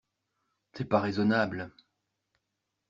C’est pas raisonnable